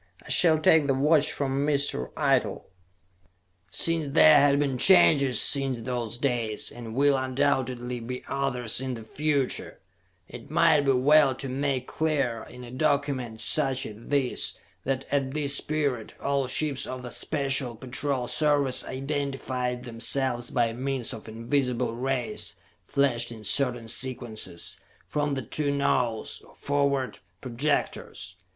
I shall take the watch from Mr. Eitel." Since there have been changes since those days, and will undoubtedly be others in the future, it might be well to make clear, in a document such is this, that at this period, all ships of the Special Patrol Service identified themselves by means of invisible rays flashed in certain sequences, from the two nose, or forward, projectors.